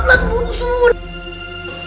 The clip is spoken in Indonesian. kita kena pelan pelan musa